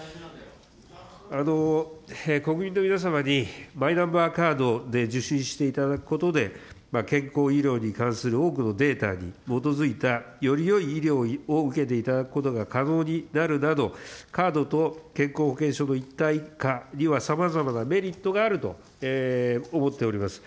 国民の皆様にマイナンバーカードで受診していただくことで、健康医療に関する多くのデータに基づいたよりよい医療を受けていただくことが可能になるなど、カードと健康保険証の一体化にはさまざまなメリットがあると思っております。